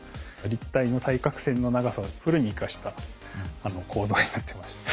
立体の対角線の長さをフルに生かした構造になってました。